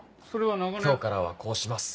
今日からはこうします。